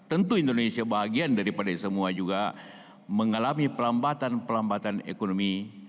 tentu indonesia bahagian daripada semua juga mengalami pelambatan pelambatan ekonomi